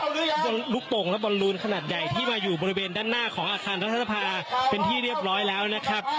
ด้วยลูกโป่งและบอลลูนขนาดใหญ่ที่มาอยู่บริเวณด้านหน้าของอาคารรัฐสภาเป็นที่เรียบร้อยแล้วนะครับ